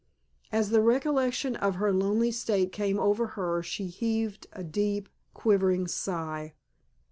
As the recollection of her lonely state came over her she heaved a deep, quivering sigh.